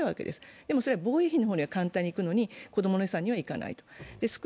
でもそれは防衛費の方には簡単にいくのに子供の予算にはいかない。